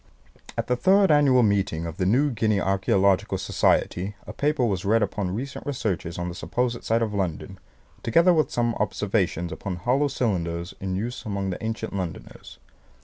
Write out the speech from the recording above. "At the third annual meeting of the New Guinea Archaeological Society a paper was read upon recent researches on the supposed site of London, together with some observations upon hollow cylinders in use among the ancient Londoners.